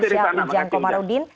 terima kasih rizana terima kasih ujang